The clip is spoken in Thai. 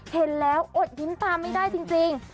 เห็นแล้วอดยิ้มตามไม่ได้จริง